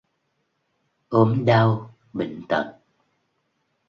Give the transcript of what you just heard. Ốm đau, bệnh tật